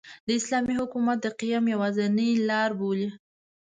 د اسلامي حکومت د قیام یوازینۍ لاربولي.